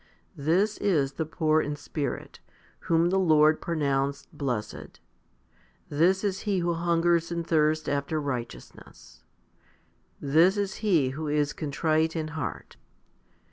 This is the poor in spirit, whom the Lord pronounced blessed; this is he who hungers and thirsts after righteousness ; 1 this is he who is contrite in heart.